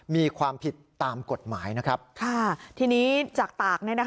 มีความผิดตามกฎหมายนะครับค่ะทีนี้จากตาก